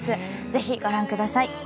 ぜひご覧ください。